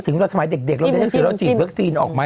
แต่ว่าก็ไม่ได้ซีเรียดเหลือ้งกัน